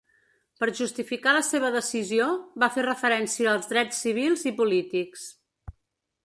Per justificar la seva decisió, va fer referència als drets civils i polítics.